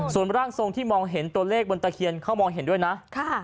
ส่วนร่างทรงที่มองเห็นตัวเลขบนตะเคียนเขามองเห็นด้วยนะ